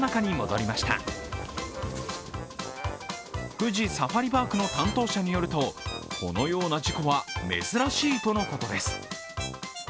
富士サファリパークの担当者によると、このような事故は珍しいとのことです。